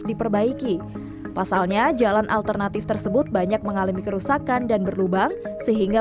diperbaiki pasalnya jalan alternatif tersebut banyak mengalami kerusakan dan berlubang sehingga